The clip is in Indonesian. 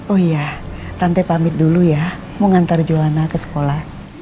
oh iya tante pamit dulu ya mau ngantar johanna ke sekolah